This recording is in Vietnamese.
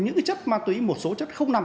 những chất ma túy một số chất không nằm